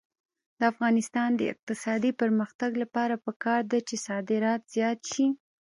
د افغانستان د اقتصادي پرمختګ لپاره پکار ده چې صادرات زیات شي.